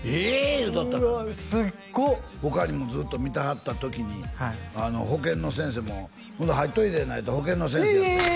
言うとったがなすっご他にもずっと見てはった時に保健の先生も入っといでってなって保健の先生やってんえ！